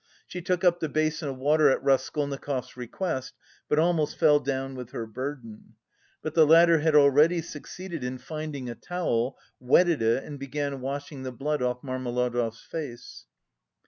She took up the basin of water at Raskolnikov's request, but almost fell down with her burden. But the latter had already succeeded in finding a towel, wetted it and began washing the blood off Marmeladov's face.